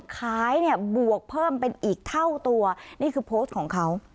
ขายเนี่ยบวกเพิ่มเป็นอีกเท่าตัวนี่คือโพสต์ของเขา